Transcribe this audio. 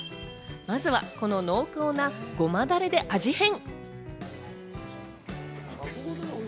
まずは、この濃厚なごまだれで味変。